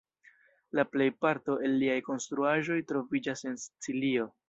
La plejparto el liaj konstruaĵoj troviĝas en Sicilio.